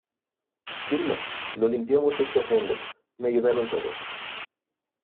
Vilma, lo limpiamos esto a fondo , me ayudaron todos.